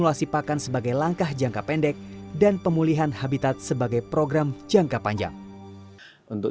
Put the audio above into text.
pakan sebagai langkah jangka pendek dan pemulihan habitat sebagai program jangka panjang untuk